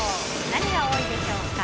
何が多いでしょうか。